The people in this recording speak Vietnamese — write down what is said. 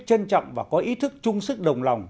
trân trọng và có ý thức chung sức đồng lòng